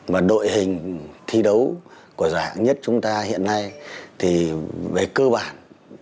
mà đội hình thi đấu của giải nhất chúng ta hiện nay thì về cơ bản